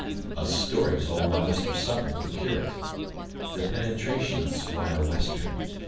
A story told by Mr Supple, the curate. The penetration of Squire Western.